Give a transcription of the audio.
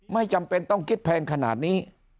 ไม่จำเป็นต้องคิดแพงขนาดนี้